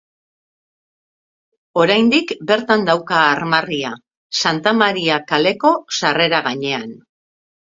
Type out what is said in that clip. Oraindik bertan dauka armarria, Santa Maria Kaleko sarrera gainean.